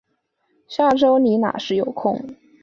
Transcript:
下周你那时有空